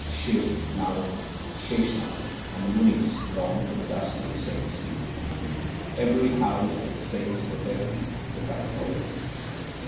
Shiv, Narad, Sheshnag l , and the Munis long for the dust of the saints' feet. Every house where the saints put their feet becometh holy.